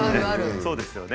そうですよね。